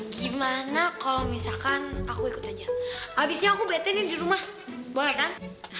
gimana kalau misalkan aku ikut aja habisnya aku bete di rumah boleh kan